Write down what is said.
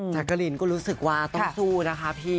กะลินก็รู้สึกว่าต้องสู้นะคะพี่